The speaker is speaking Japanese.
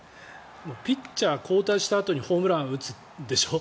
ピッチャーを交代したあとにホームランを打つんでしょ。